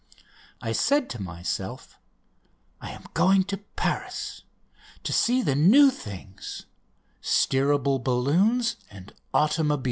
I said to myself: "I am going to Paris to see the new things steerable balloons and automobiles!"